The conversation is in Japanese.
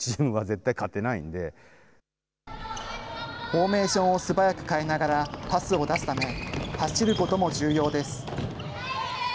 フォーメーションを素早く変えながらパスを出すため、走ることも重要です。